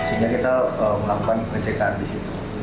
sehingga kita melakukan pencegahan di situ